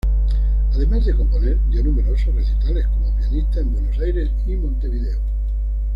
Además de componer, dio numerosos recitales como pianista en Buenos Aires y Montevideo.